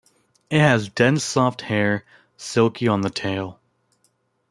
It has dense, soft hair, silky on the tail.